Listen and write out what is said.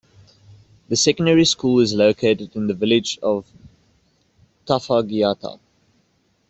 The Secondary School is located in the Village of Tafaigata.